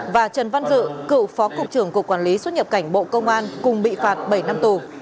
và trần văn dự cựu phó cục trưởng cục quản lý xuất nhập cảnh bộ công an cùng bị phạt bảy năm tù